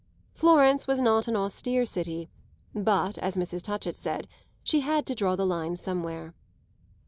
Florence was not an austere city; but, as Mrs. Touchett said, she had to draw the line somewhere.